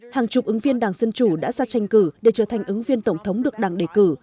hàng chục ứng viên đảng dân chủ đã ra tranh cử để trở thành ứng viên tổng thống được đảng đề cử